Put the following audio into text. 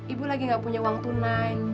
ibu lagi gak punya uang tunai